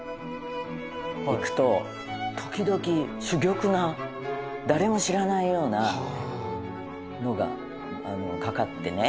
時々珠玉な誰も知らないようなのがかかってね。